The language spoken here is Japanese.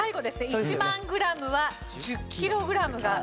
１万グラムは１０キログラムが正解でした。